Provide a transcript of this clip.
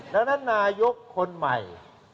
ดังนั้นนายกคนใหม่